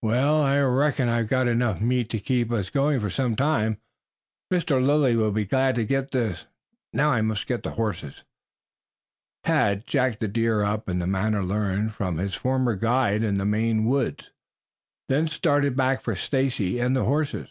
"Well, I reckon I've got enough meat to keep us going for some time. Mr. Lilly will be glad to get this. Now, I must get the horses." Tad jacked the deer up in the manner learned from his former guide in the Maine Woods, then started back for Stacy and the horses.